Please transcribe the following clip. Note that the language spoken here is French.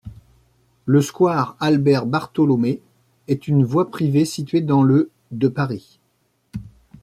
Le square Albert-Bartholomé est une voie privée située dans le de Paris.